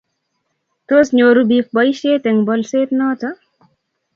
tos nyoru biik boisiet eng' bolset noto?